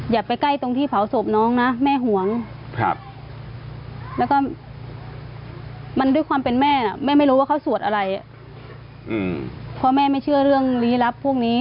ไปใกล้ตรงที่เผาศพน้องนะแม่ห่วงแล้วก็มันด้วยความเป็นแม่น่ะแม่ไม่รู้ว่าเขาสวดอะไรเพราะแม่ไม่เชื่อเรื่องลี้ลับพวกนี้